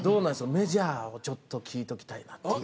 メジャーをちょっと聞いときたいなという。